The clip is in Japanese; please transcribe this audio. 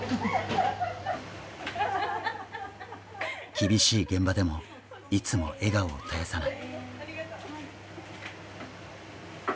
厳しい現場でもいつも笑顔を絶やさない。